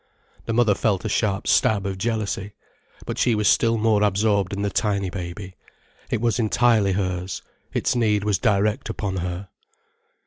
The mother felt a sharp stab of jealousy. But she was still more absorbed in the tiny baby. It was entirely hers, its need was direct upon her.